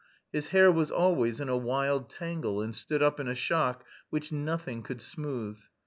His hair was always in a wild tangle and stood up in a shock which nothing could smooth.